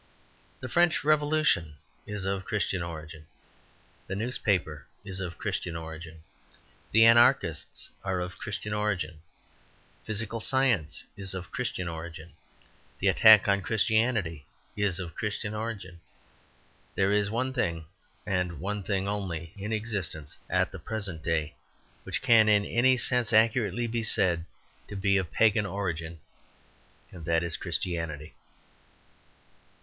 The French Revolution is of Christian origin. The newspaper is of Christian origin. The anarchists are of Christian origin. Physical science is of Christian origin. The attack on Christianity is of Christian origin. There is one thing, and one thing only, in existence at the present day which can in any sense accurately be said to be of pagan origin, and that is Christianity.